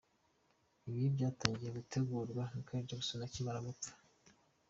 Ibi byatangiye gutegurwa Michael Jackson akimara gupfa.